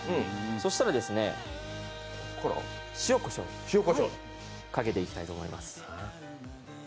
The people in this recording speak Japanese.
そしたらですね、塩コショウをかけていきたいと思います。